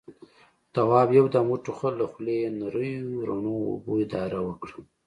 تواب يو دم وټوخل، له خولې يې نريو رڼو اوبو داره وکړه.